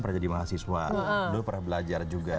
pernah jadi mahasiswa dulu pernah belajar juga